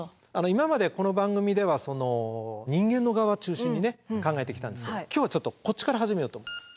今までこの番組では人間の側中心に考えてきたんですけど今日はちょっとこっちから始めようと思います。